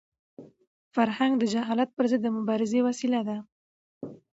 فرهنګ د جهل پر ضد د مبارزې وسیله ده.